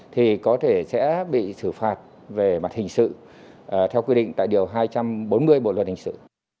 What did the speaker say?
thì có thể sẽ bị xử phạt về mặt hình sự theo quy định tại điều hai trăm bốn mươi bộ luật hình sự